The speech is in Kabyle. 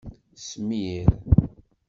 Smir.